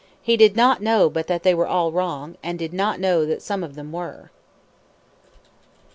He did not know but that they were all wrong, and did not know that some of them were."